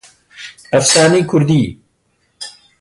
ئەفسانەی کوردی